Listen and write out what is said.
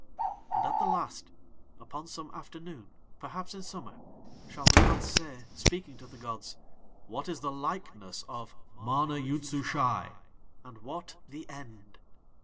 "'And at the Last, upon some afternoon, perhaps in summer, shall the gods say, speaking to the gods: "What is the likeness of MANA YOOD SUSHAI and what THE END?"